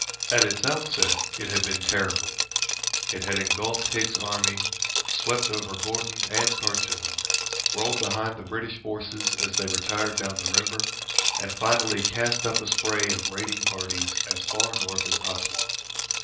At its outset it had been terrible. It had engulfed Hicks's army, swept over Gordon and Khartoum, rolled behind the British forces as they retired down the river, and finally cast up a spray of raiding parties as far north as Assouan.